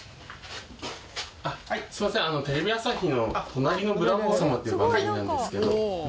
すいませんテレビ朝日の『隣のブラボー様』っていう番組なんですけど。